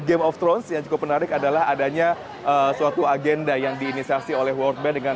game of thrones yang cukup menarik adalah adanya suatu agenda yang diinisiasi oleh world bank dengan